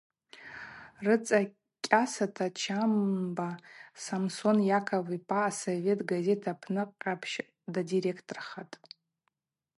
Рыцӏа кӏьасата Чанба Самсон Яков йпа асовет газет Апсны къапщ даредакторхатӏ.